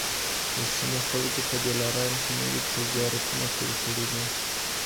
د سیمي خلکو په دلارام کي نوي تجارتونه پیل کړي دي.